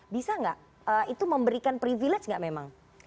bisa gak itu memberikan privilege gak memang